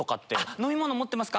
飲み物持ってますか？